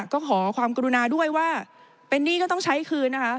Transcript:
ก็ขอความกรุณาด้วยว่าเป็นหนี้ก็ต้องใช้คืนนะคะ